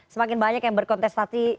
semakin banyak yang berkontestasi